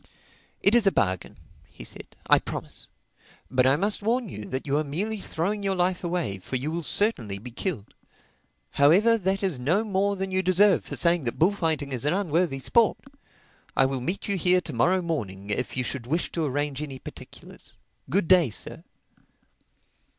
"It is a bargain," he said—"I promise. But I must warn you that you are merely throwing your life away, for you will certainly be killed. However, that is no more than you deserve for saying that bullfighting is an unworthy sport. I will meet you here to morrow morning if you should wish to arrange any particulars. Good day, Sir."